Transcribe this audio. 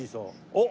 おっ！